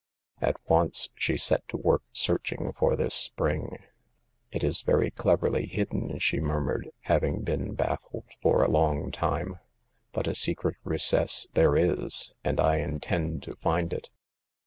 At once she set to work searching for this spring. '* It is very cleverly hidden," she murmured, having been baffled for a long time ;but a se cret recess there is, and I intend to find it.